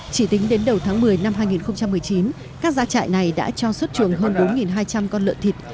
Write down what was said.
chỉ tính đến đầu tháng một mươi năm hai nghìn một mươi chín các gia trại này đã cho xuất trường hơn bốn hai trăm linh con lợn thịt